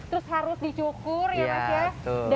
terus harus dicukur ya mas ya